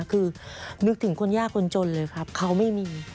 คือนึกถึงคนยากคนจนเลยครับเขาไม่มี